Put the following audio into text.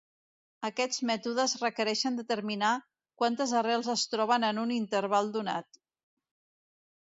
Aquests mètodes requereixen determinar quantes arrels es troben en un interval donat.